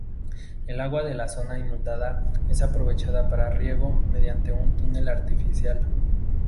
El agua de la zona inundada es aprovechada para riego mediante un túnel artificial.